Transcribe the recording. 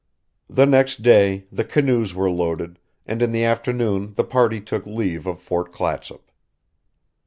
The next day the canoes were loaded, and in the afternoon the party took leave of Fort Clatsop.